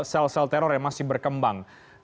sel sel teror yang masih berkembang